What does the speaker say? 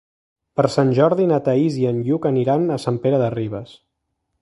Per Sant Jordi na Thaís i en Lluc aniran a Sant Pere de Ribes.